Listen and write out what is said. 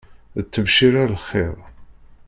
D ttebcira l-lxiṛ.